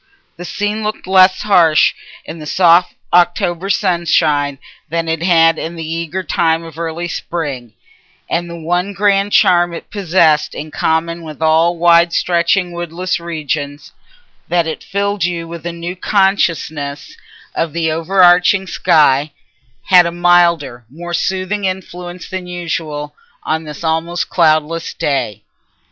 The scene looked less harsh in the soft October sunshine than it had in the eager time of early spring, and the one grand charm it possessed in common with all wide stretching woodless regions—that it filled you with a new consciousness of the overarching sky—had a milder, more soothing influence than usual, on this almost cloudless day.